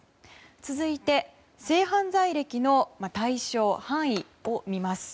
続いて性犯罪歴の対象・範囲を見ます。